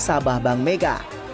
nasabah bank mega